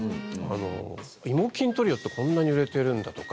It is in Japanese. イモ欽トリオってこんなに売れてるんだとか。